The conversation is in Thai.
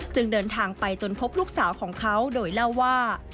เดินทางไปจนพบลูกสาวของเขาโดยเล่าว่า